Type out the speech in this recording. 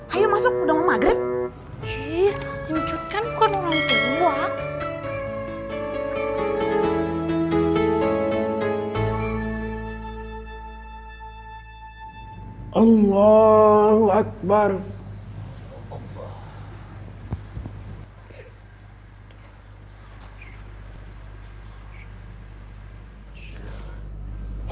ayo masuk udah mau maghrib